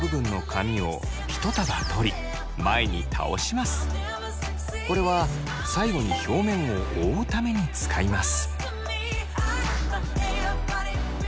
まずこれは最後に表面を覆うために使います。